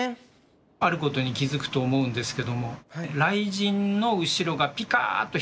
あることに気付くと思うんですけども雷神の後ろがピカッと光っておりますよね。